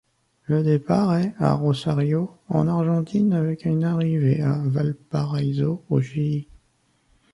Le départ est à Rosario en Argentine avec une arrivée à Valparaíso au Chili.